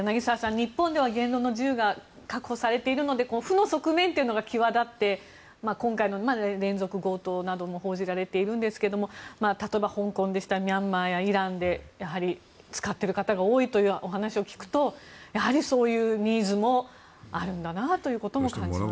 日本では言論の自由が確保されているので負の側面というのが際立って今回の連続強盗なども報じられているんですけども例えば、香港でしたりミャンマーやイランでやはり、使っている人が多いというお話を聞くとやはり、そういうニーズもあるんだなとも感じますね。